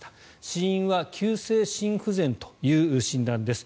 死因は急性心不全という診断です。